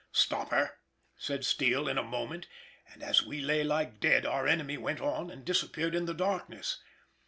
"Stop her," said Steele in a moment, and as we lay like dead our enemy went on and disappeared in the darkness.